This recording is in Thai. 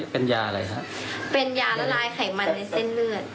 เป็นยาละลายไขมันในเส้นเลือด